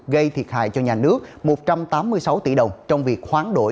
gây thiệt hại cho nhà nước một trăm tám mươi sáu tỷ đồng trong việc hoán đổi